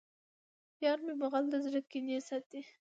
یارمی مغل د زړه کینې ساتي